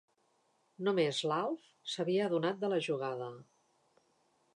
Només l'Alf s'havia adonat de la jugada.